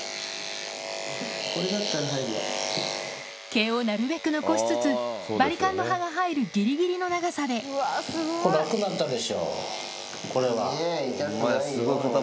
毛をなるべく残しつつバリカンの刃が入るギリギリの長さで楽になったよね。